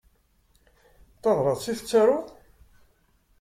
D tabrat i tettaruḍ?